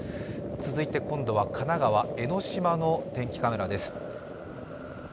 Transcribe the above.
続いて今度は神奈川・江の島の天気カメラです。